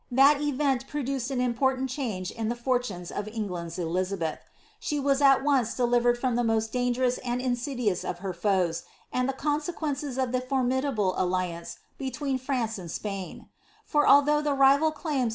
That event produced an important change in the fortnnea of Ei^land's Elizabeth. She was at once delivered from the most danget^ ODS and insidinns <^ her foes, and the consequences of the fonnit^Ie alliance between France and Spain : for alihotigh the rival claims of hit 'Niobol*' ProgcesKs, vol.